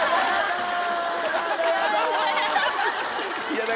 「やだ」